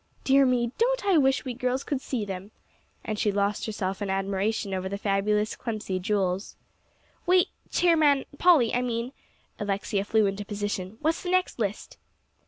Dear me, don't I wish we girls could see them!" and she lost herself in admiration over the fabulous Clemcy jewels. "Well, Chairman Polly, I mean" Alexia flew into position "what's the next list?"